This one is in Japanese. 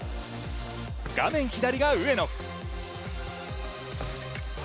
画面左が上野。